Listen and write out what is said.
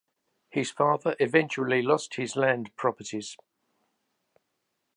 His father eventually lost his land properties.